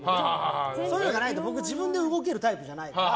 そうじゃないと、僕は自分で動けるタイプじゃないので。